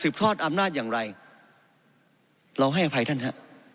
ทอดอำนาจอย่างไรเราให้อภัยท่านฮะ